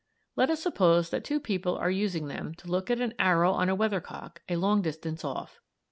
Let us suppose that two people are using them to look at an arrow on a weathercock a long distance off.